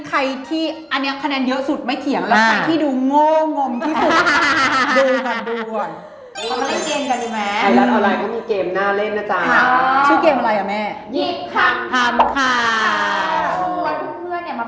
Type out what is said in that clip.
ใครเป็นคนคิดภาพของของขาวนี้มา